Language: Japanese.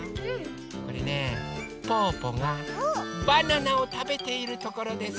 これねぽぅぽがバナナをたべているところです。